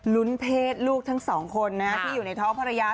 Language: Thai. ลุ้นเทศลูกทั้งสองคนนะครับที่อยู่ในท้องภรรยา